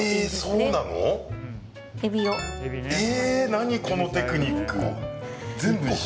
何このテクニック。